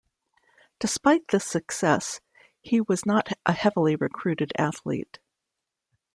Despite this success, he was not a heavily recruited athlete.